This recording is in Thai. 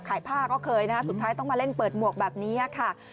ผ้าก็เคยนะฮะสุดท้ายต้องมาเล่นเปิดหมวกแบบนี้ค่ะ